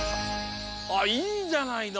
いいじゃないの。